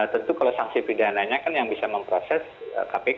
tentu kalau sanksi pidananya kan yang bisa memproses kpk